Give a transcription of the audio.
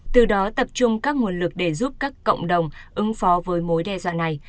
từ đó tập trung các nguồn lực để giúp các cộng đồng ứng phó với mối đe dọa này